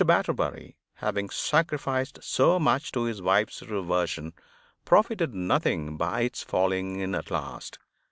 Batterbury, having sacrificed so much to his wife's reversion, profited nothing by its falling in at last.